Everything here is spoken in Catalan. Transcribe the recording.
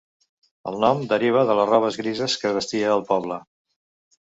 El nom deriva de les robes grises que vestia el poble.